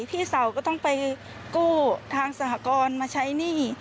พี่สาวก็ต้องไปกู้ทางสหกรณ์มาใช้หนี้